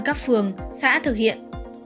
các phường xã thực hiện